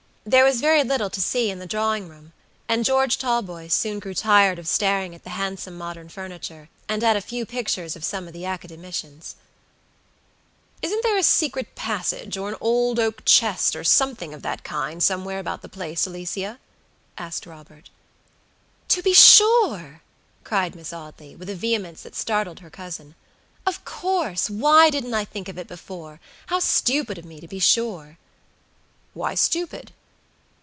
There was very little to see in the drawing room; and George Talboys soon grew tired of staring at the handsome modern furniture, and at a few pictures of some of the Academicians. "Isn't there a secret passage, or an old oak chest, or something of that kind, somewhere about the place, Alicia?" asked Robert. "To be sure!" cried Miss Audley, with a vehemence that startled her cousin; "of course. Why didn't I think of it before? How stupid of me, to be sure!" "Why stupid?"